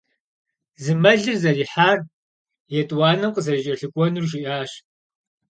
Зы мэлыр зэрихьар, етӀуанэм къызэрыкӀэлъыкӀуэнур жиӀащ.